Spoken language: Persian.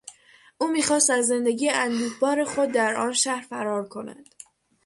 او میخواست از زندگی اندوهبار خود در آن شهر فرار کند.